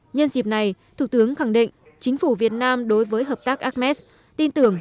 nhân dịp này thủ tướng khẳng định chính phủ việt nam đối với hợp tác acmes tin tưởng